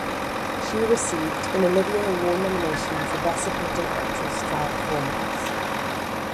She received an Olivier Award nomination for Best Supporting Actress for her performance.